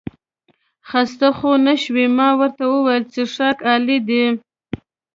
خسته خو نه شوې؟ ما ورته وویل څښاک عالي دی.